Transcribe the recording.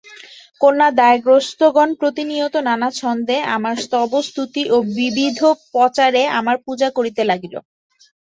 কন্যাদায়গ্রস্তগণ প্রতিনিয়ত নানা ছন্দে আমার স্তবস্তুতি এবং বিবিধোপচারে আমার পূজা করিতে লাগিল।